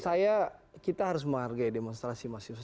saya kita harus menghargai demonstrasi mahasiswa